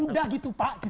udah gitu pak